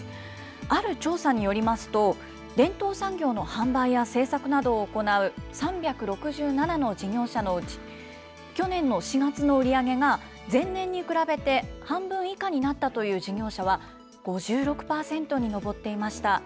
ある調査によりますと、伝統産業の販売や製作などを行う３６７の事業者のうち、去年の４月の売り上げが前年に比べて半分以下になったという事業者は５６％に上っていました。